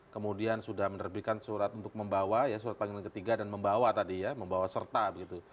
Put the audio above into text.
kemudian sudah menerbitkan surat untuk membawa ya surat panggilan ketiga dan membawa tadi ya membawa serta begitu